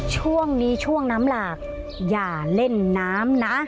ช่วงนี้ช่วงน้ำหลากอย่าเล่นน้ำนะ